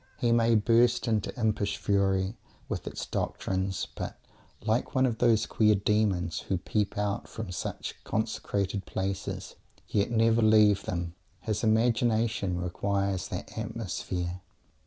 He may burst into impish fury with its doctrines, but, like one of those queer demons who peep out from such consecrated places, yet never leave them, his imagination requires that atmosphere.